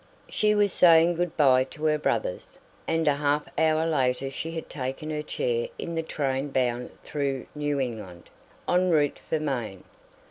She was saying good bye to her brothers, and a half hour later she had taken her chair in the train bound through New England en route for Maine.